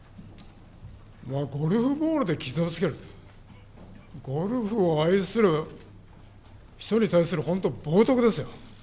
ゴルフボールで傷をつける、ゴルフを愛する人に対する本当、冒とくですよ。